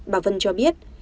bà vân cho biết